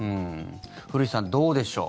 古市さん、どうでしょう？